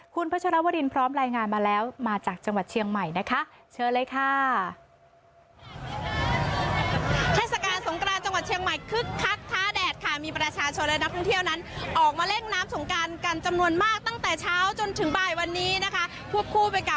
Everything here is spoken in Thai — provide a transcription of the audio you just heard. คุณพัชรวรินพร้อมรายงานมาแล้วมาจากจังหวัดเชียงใหม่นะคะเชิญเลยค่ะ